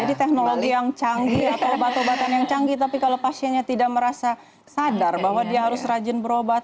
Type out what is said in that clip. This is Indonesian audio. jadi teknologi yang canggih atau obat obatan yang canggih tapi kalau pasiennya tidak merasa sadar bahwa dia harus rajin berobat